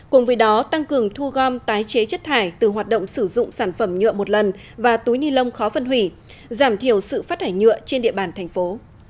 cùng với đó tăng cường thu gom tái chế chất thải từ hoạt động sử dụng sản phẩm nhựa một lần và túi ni lông khó phân hủy giảm thiểu sự phát thải nhựa trên địa bàn thành phố